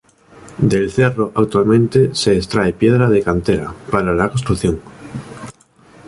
Del cerro actualmente se extrae piedra de cantera para la construcción.